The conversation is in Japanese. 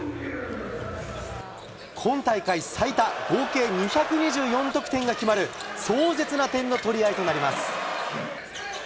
今大会最多、合計２２４得点が決まる壮絶な点の取り合いとなります。